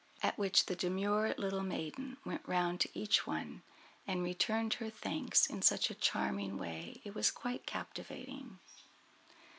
At which the demure little maiden went round to each one, and returned her thanks in such a charming way it was quite captivating.